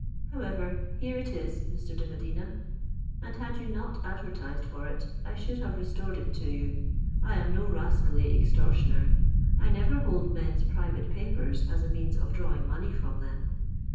However, here it is, Mr. de Medina; and had you not advertised for it, I should have restored it to you. I am no rascally extortioner: I never hold men's private papers as a means of drawing money from them.